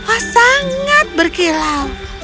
oh sangat berkilau